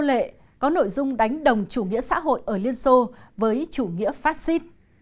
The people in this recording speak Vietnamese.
cuốn sách về nô lệ có nội dung đánh đồng chủ nghĩa xã hội ở liên xô với chủ nghĩa phát xít